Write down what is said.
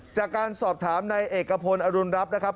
จากการสอบถามในเอกพลอรุณรับนะครับ